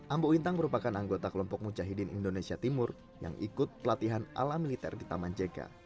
ambo wintang merupakan anggota kelompok mujahidin indonesia timur yang ikut pelatihan ala militer di taman jk